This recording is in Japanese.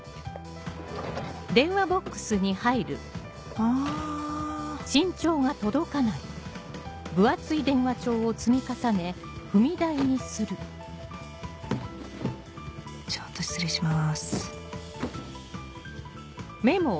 あぁちょっと失礼します